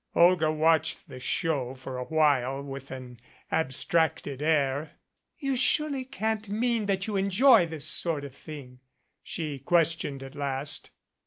Olga watched the show for a while with an abstracted air. "You surely can't mean that you enjoy this sort of thing?" she questioned at last.